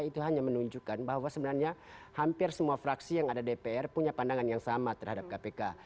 itu hanya menunjukkan bahwa sebenarnya hampir semua fraksi yang ada dpr punya pandangan yang sama terhadap kpk